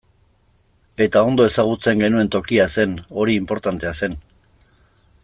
Eta ondo ezagutzen genuen tokia zen, hori inportantea zen.